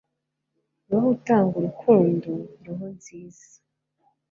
roho utanga urukundo, roho nziza